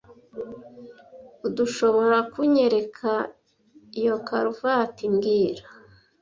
Urdushoborakunyereka iyo karuvati mbwira